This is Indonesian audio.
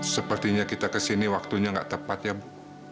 sepertinya kita kesini waktunya nggak tepat ya bu